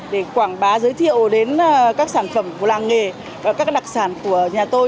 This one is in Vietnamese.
để quảng bá giới thiệu đến các sản phẩm của làng nghề và các đặc sản của nhà tôi